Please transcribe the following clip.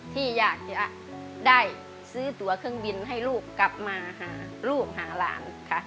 ที่อยากจะได้ซื้อตัวเครื่องบินให้ลูกกลับมาหาลูกหาหลานค่ะ